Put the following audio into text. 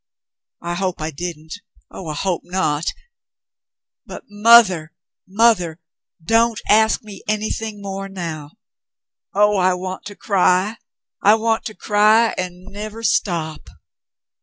I hope I didn't — oh, I hope not ! But mother, mother ! Don't ask me anything more now. Oh, I want to cry ! I want to cry and never stop."